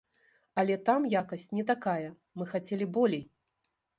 Але там якасць не такая, мы хацелі болей.